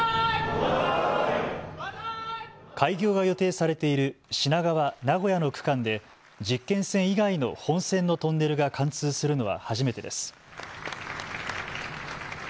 開業が予定されている品川・名古屋の区間で実験線以外の本線のトンネルが貫通するのは初めてです。